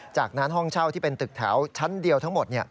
จากนั้นห้องเช่าที่เป็นตึกแถวชั้นเดียวทั้งหมด